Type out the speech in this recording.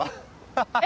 ハハハハ！